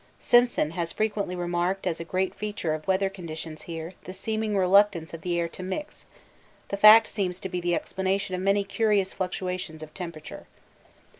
Simpson has frequently remarked as a great feature of weather conditions here the seeming reluctance of the air to 'mix' the fact seems to be the explanation of many curious fluctuations of temperature.